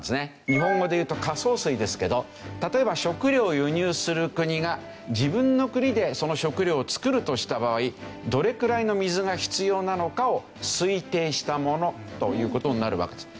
日本語で言うと「仮想水」ですけど例えば食料を輸入する国が自分の国でその食料を作るとした場合どれくらいの水が必要なのかを推定したものという事になるわけです。